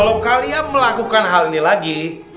kalau kalian melakukan hal ini lagi